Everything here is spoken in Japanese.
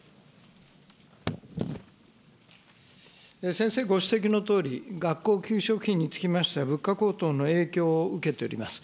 先生ご指摘のとおり、学校給食費につきましては、物価高騰の影響を受けております。